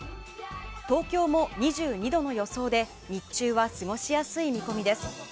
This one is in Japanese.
東京も２２度の予想で日中は過ごしやすい見込みです。